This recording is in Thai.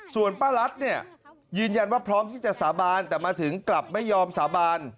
ส่วนป้ารัฐเนี่ยยืนยันว่าพร้อมที่จะสาบานแต่มาถึงกลับไม่ยอมสาบาน